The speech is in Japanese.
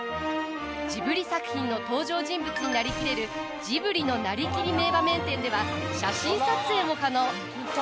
ジブリ作品の登場人物になりきれる「ジブリのなりきり名場面展」では写真撮影も可能。